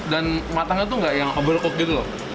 dan matangnya tuh enggak yang overcooked gitu loh